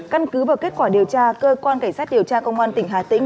căn cứ vào kết quả điều tra cơ quan cảnh sát điều tra công an tỉnh hà tĩnh